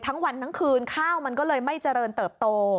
ทั้งวันทั้งคืนข้าวมันก็เลยไม่เจริญเติบโต